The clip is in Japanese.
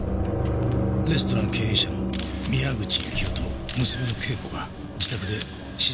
レストラン経営者の宮口幸生と娘の景子が自宅で刺殺体で見つかった。